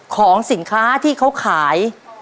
ของสินค้าที่เขาขาย